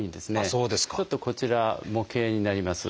ちょっとこちら模型になります。